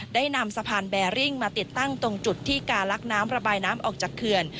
ได้นำสะพานแบริ่งมาติดตั้งตรงจุดที่การลักน้ำระบายน้ำออกจากเขื่อน